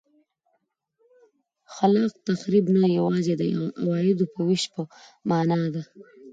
خلاق تخریب نه یوازې د عوایدو بیا وېش په معنا ده.